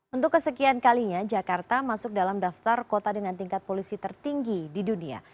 untuk kesekian kalinya jakarta masuk dalam daftar kota dengan tingkat polusi tertinggi di dunia